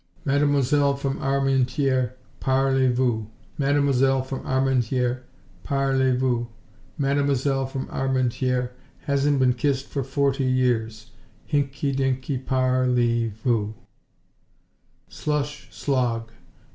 "Mademoiselle from Armentieres, Parlez vous, Mademoiselle from Armentieres, Parlez vous, Mademoiselle from Armentieres Hasn't been kissed for forty years, Hinkey Dinkey Parlez vous!" Slush, slog!